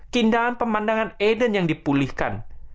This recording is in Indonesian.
kindahan pemandangan eden yang dipulihkan